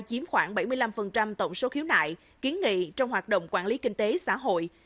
chiếm khoảng bảy mươi năm tổng số khiếu nại kiến nghị trong hoạt động quản lý kinh tế xã hội